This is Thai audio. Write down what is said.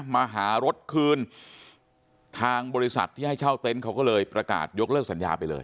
มาหารถคืนทางบริษัทที่ให้เช่าเต็นต์เขาก็เลยประกาศยกเลิกสัญญาไปเลย